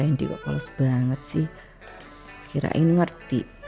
aku gak tau kamu ada apa gak